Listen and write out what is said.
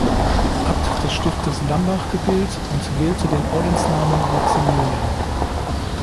Abt des Stiftes Lambach gewählt und wählte den Ordensnamen Maximilian.